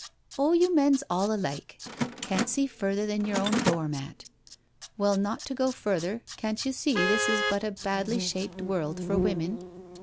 " Oh, you men's all alike — can't see further than yer own doormat. Well, not to go further, can't yo' see this is but a badly shaped world for women?"